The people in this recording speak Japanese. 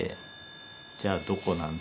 じゃあどこなんだ？